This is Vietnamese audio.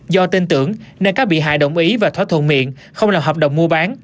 do tin tưởng nên các bị hại đồng ý và thỏa thuận miệng không làm hợp đồng mua bán